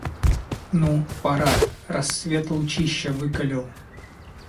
Ну, пора: рассвет лучища выкалил.